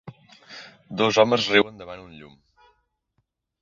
Dos homes riuen davant un llum.